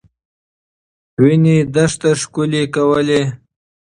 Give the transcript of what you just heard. وینې دښته ښکلې کولې.